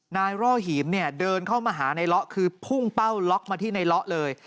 นายล่อหีมเดินเข้ามาหานายล๊อกคือพุ่งเป้าล็อกมาที่นายล๊อกเลย